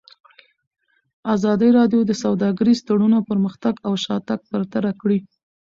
ازادي راډیو د سوداګریز تړونونه پرمختګ او شاتګ پرتله کړی.